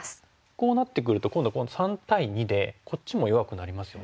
こうなってくると今度は３対２でこっちも弱くなりますよね。